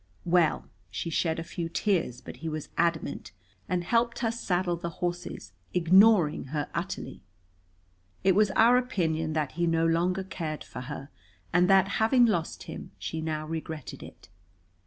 Well, she shed a few tears, but he was adamant, and helped us saddle the horses, ignoring her utterly. It was our opinion that he no longer cared for her, and that, having lost him, she now regretted it.